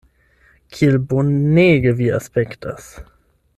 Kiel bonege vi aspektas!